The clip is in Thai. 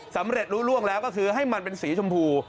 สำเร็จรู้ล่วงแล้วก็คือให้มันเป็นสีชมพู